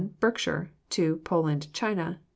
Berkshire. 2. Poland China.